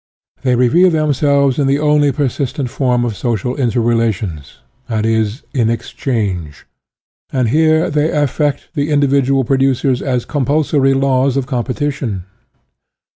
They reveal them selves in the only persistent form of social inter relations, i. e., in exchange, and here they affect the individual producers as com pulsory laws of competition.